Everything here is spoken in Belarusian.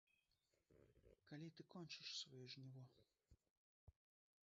Калі ты кончыш сваё жніво?